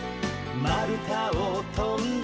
「まるたをとんで」